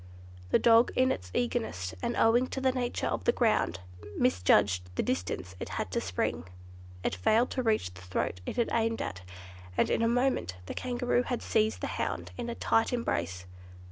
The dog in its eagerness, and owing to the nature of the ground, misjudged the distance it had to spring. It failed to reach the throat it had aimed at, and in a moment the Kangaroo had seized the hound in a tight embrace.